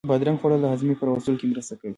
بادرنگ خوړل د هاضمې په را وستلو کې مرسته کوي.